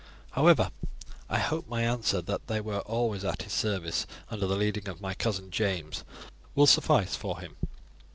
However, I hope that my answer that they were always at his service under the leading of my cousin James will suffice for him.